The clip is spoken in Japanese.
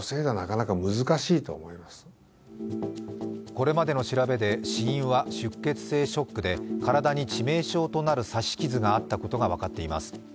これまでの調べで死因は出血性ショックで体に致命傷となる刺し傷があったことが分かっています。